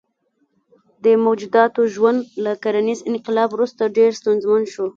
دې موجوداتو ژوند له کرنیز انقلاب وروسته ډېر ستونزمن شو.